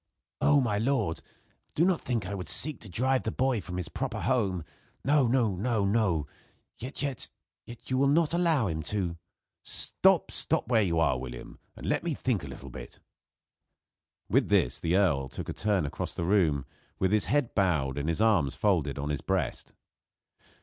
"Oh! my lord! Do not think I would seek to drive the boy from his proper home. No! no! no! no! Yet yet you will not allow him to " "Stop! Stop where you are, William, and let me think a little bit." With this the earl took a turn across the room with his head bowed and his arms folded on his breast.